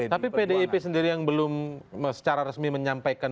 tapi pdip sendiri yang belum secara resmi menyampaikan